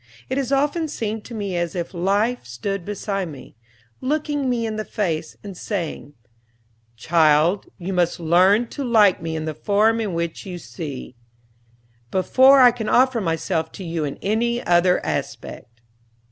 It has often seemed to me as if Life stood beside me, looking me in the face, and saying, "Child, you must learn to like me in the form in which you see me, before I can offer myself to you in any other aspect."